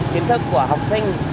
kiến thức của học sinh